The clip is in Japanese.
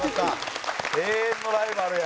永遠のライバルや。